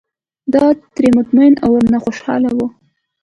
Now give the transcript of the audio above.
دای ترې مطمین او ورته خوشاله و.